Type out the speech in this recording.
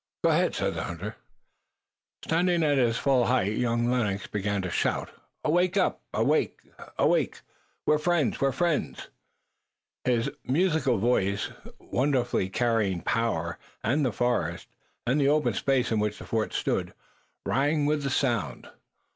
"Go ahead," said the hunter. Standing at his full height, young Lennox began to shout: "Awake! Awake! Up! Up! We're friends! We're friends!" His musical voice had wonderful carrying power, and the forest, and the open space in which the fort stood, rang with the sound.